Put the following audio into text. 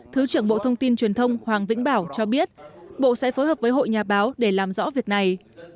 thứ trưởng bộ thông tin truyền thông hoàng vĩnh bảo cho biết bộ sẽ phối hợp với hội nhà báo để làm rõ việc này